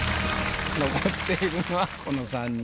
残っているのはこの三人。